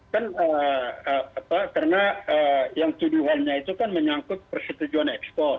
karena yang tuduhannya itu kan menyangkut persetujuan ekspor